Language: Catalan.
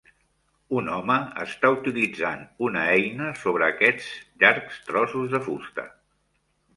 Un home està utilitzant una eina sobre aquestes llargs trossos de fusta.